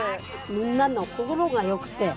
みんなの心がよくて。